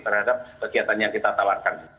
terhadap kegiatan yang kita tawarkan